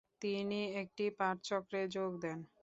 তিনি একটি পাঠচক্রে যোগ দেন।